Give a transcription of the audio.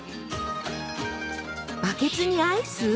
バケツにアイス？